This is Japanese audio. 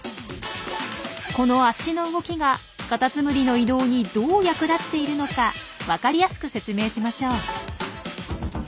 この足の動きがカタツムリの移動にどう役立っているのか分かりやすく説明しましょう。